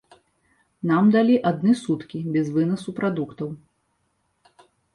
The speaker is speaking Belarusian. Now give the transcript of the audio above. Нам далі адны суткі без вынасу прадуктаў.